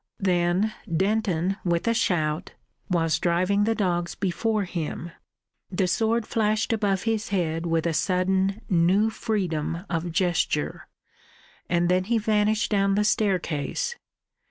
Then Denton, with a shout, was driving the dogs before him. The sword flashed above his head with a sudden new freedom of gesture, and then he vanished down the staircase.